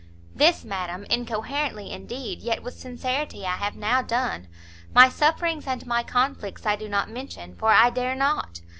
"This, madam, incoherently indeed, yet with sincerity, I have now done; my sufferings and my conflicts I do not mention, for I dare not!